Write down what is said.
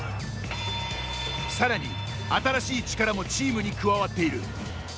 さらに、新しい力もチームに加わっている。